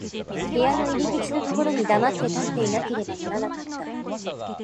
部屋の入口のところに黙って立っていなければならなかった。